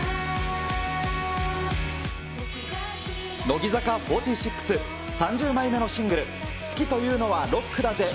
乃木坂４６、３０枚目のシングル、好きというのはロックだぜ！